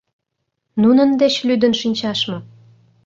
Нунын деч лӱдын шинчаш мо?